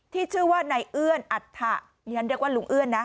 ที่ชื่อว่านายเอื้อนอัฐะดิฉันเรียกว่าลุงเอื้อนนะ